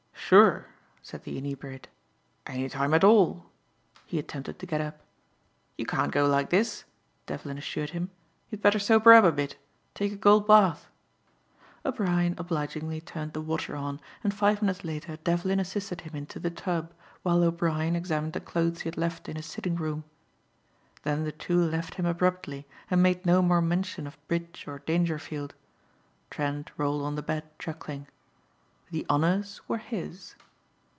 "Sure," said the inebriate. "Any time at all." He attempted to get up. "You can't go like this," Devlin assured him. "You'd better sober up a bit. Take a cold bath." O'Brien obligingly turned the water on and five minutes later Devlin assisted him into the tub, while O'Brien examined the clothes he had left in his sitting room. Then the two left him abruptly and made no more mention of bridge or Dangerfield. Trent rolled on the bed chuckling. The honors were his.